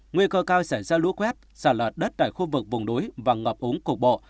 nguy cơ cao sẽ ra lũ quét xả lợt đất tại khu vực vùng núi và ngọp úng cục bộ